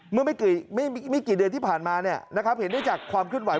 เมื่อไม่กี่เดือนที่ผ่านมาเห็นได้จากความเคลื่อนไห